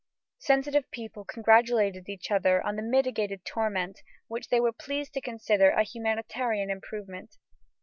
Sensitive people congratulated each other on the mitigated torment, which they were pleased to consider a humanitarian improvement.